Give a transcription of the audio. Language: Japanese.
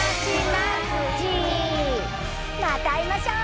また会いましょう。